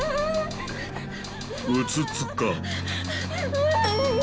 うつつか？